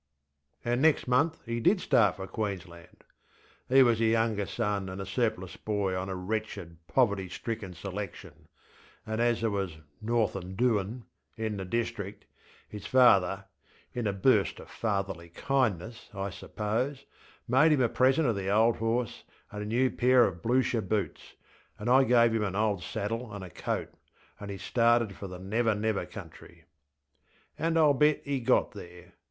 And next month he did start for Queensland. He was a younger son and a surplus boy on a wretched, poverty stricken selection; and as there was ŌĆśnorthinŌĆÖ doinŌĆÖŌĆÖ in the district, his father (in a burst of fatherly kindness, I suppose) made him a present of the old horse and a new pair of Blucher boots, and I gave him an old saddle and a coat, and he started for the Never Never Country. And IŌĆÖll bet he got there.